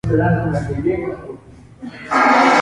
Había varias sedes.